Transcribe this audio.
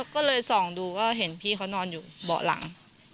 ก็เลยส่องดูก็เห็นพี่เขานอนอยู่เบาะหลัง